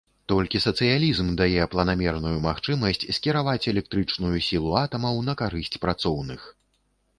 Толькі сацыялізм дае планамерную магчымасць скіраваць электрычную сілу атамаў на карысць працоўных.